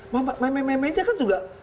mem mem memnya kan juga